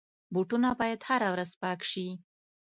بوټونه باید هره ورځ پاک شي.